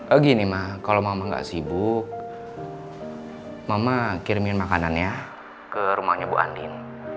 oh gini mah kalau mama gak sibuk mama kirimin makanannya ke rumahnya bu andin